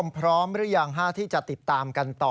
พร้อมหรือยังที่จะติดตามกันต่อ